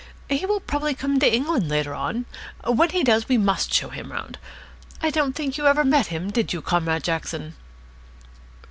He will probably come to England later on. When he does, we must show him round. I don't think you ever met him, did you, Comrade Jackson?"